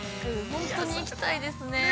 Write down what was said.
本当に行きたいですね。